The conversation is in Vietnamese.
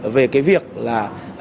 về cái việc là